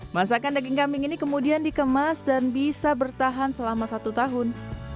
masakan daging kambing ini kemudian dikemas dan bisa bertahan selama satu tahun